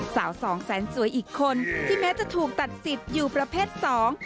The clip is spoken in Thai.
สองแสนสวยอีกคนที่แม้จะถูกตัดสิทธิ์อยู่ประเภทสอง